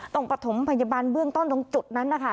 ประถมพยาบาลเบื้องต้นตรงจุดนั้นนะคะ